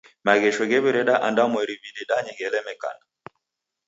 Maghesho ghew'ireda andwamweri w'idedanye ghelemekana.